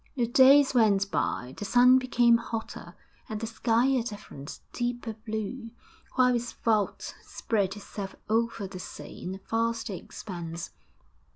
The days went by, the sun became hotter, and the sky a different, deeper blue, while its vault spread itself over the sea in a vaster expanse.